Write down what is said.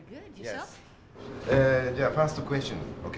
えじゃあファーストクエスチョンＯＫ？